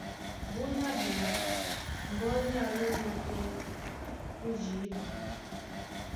Búnyá ɓɔɔ́ mbɔ́ ní alónɔ̄ pɛ́ ó jǐɓa,